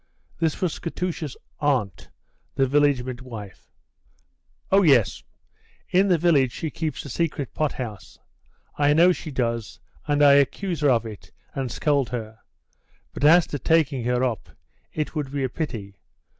(This was Katusha's aunt, the village midwife.) "Oh, yes; in the village she keeps a secret pot house. I know she does, and I accuse her of it and scold her; but as to taking her up, it would be a pity.